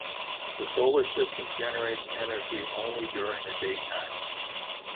The solar station generates energy only during the daytime.